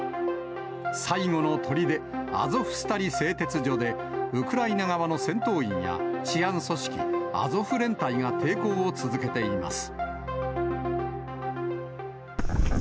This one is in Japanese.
最後のとりで、アゾフスタリ製鉄所で、ウクライナ側の戦闘員や、治安組織、アゾフ連隊が抵抗を続けています。